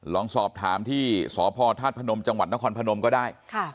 ลองสอบถามที่สพธาตุพนมจังหวัดนครพนมก็ได้